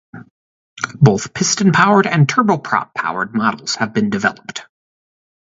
Both piston-powered and turboprop-powered models have been developed.